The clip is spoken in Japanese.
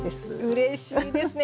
うれしいですね。